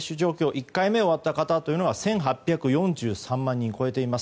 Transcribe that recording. １回目終わった方というのは１８４３万人を超えています。